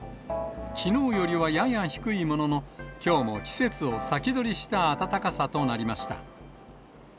きのうよりはやや低いものの、きょうも季節を先取りした暖かさとなりました。